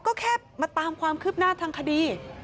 ก็แค่มาตามความคืบหน้าทางคดี